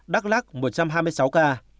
đắk lắc một trăm hai mươi sáu ca